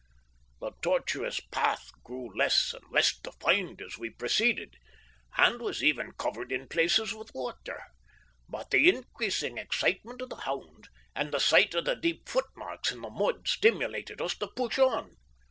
The tortuous path grew less and less defined as we proceeded, and was even covered in places with water, but the increasing excitement of the hound and the sight of the deep footmarks in the mud stimulated us to push on.